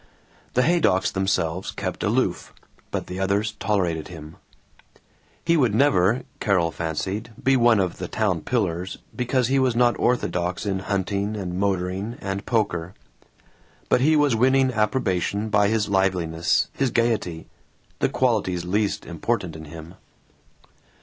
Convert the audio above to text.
The Haydocks themselves kept aloof, but the others tolerated him. He would never, Carol fancied, be one of the town pillars, because he was not orthodox in hunting and motoring and poker. But he was winning approbation by his liveliness, his gaiety the qualities least important in him.